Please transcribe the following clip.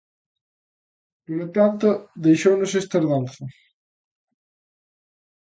Polo tanto, deixounos esta herdanza.